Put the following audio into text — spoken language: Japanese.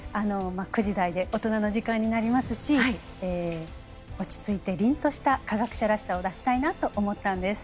９時台で大人の時間になりますし落ち着いてりんとした科学者らしさを出したいと思ったんです。